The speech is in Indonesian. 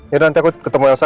ya nanti aku ketemu elsa